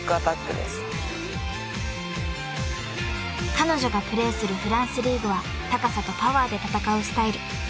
［彼女がプレーするフランスリーグは高さとパワーで戦うスタイル］